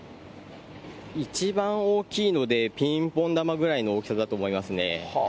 一番大きいので、ピンポン玉ぐらいの大きさだと思いますね。